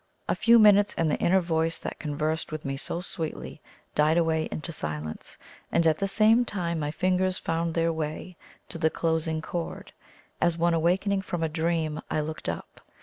A few minutes, and the inner voice that conversed with me so sweetly, died away into silence, and at the same time my fingers found their way to the closing chord. As one awaking from a dream, I looked up.